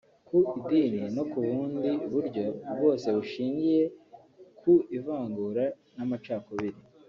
ku idini no ku bundi buryo bwose bushingiye ku ivangura n’amacakubiri